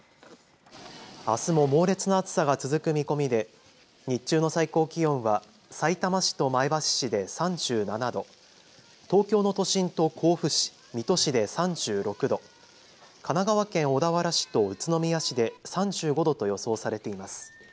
あすも猛烈な暑さが続く見込みで日中の最高気温はさいたま市と前橋市で３７度、東京の都心と甲府市、水戸市で３６度、神奈川県小田原市と宇都宮市で３５度と予想されています。